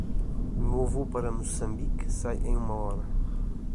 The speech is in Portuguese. Meu voo para Moçambique sai em uma hora.